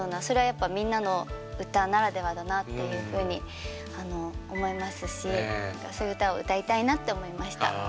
それはやっぱ「みんなのうた」ならではだなっていうふうに思いますしそういう歌を歌いたいなって思いました。